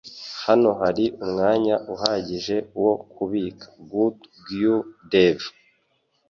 Hano hari umwanya uhagije wo kubika. (goodguydave)